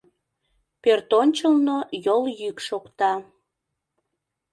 Пӧртӧнчылнӧ йол йӱк шокта.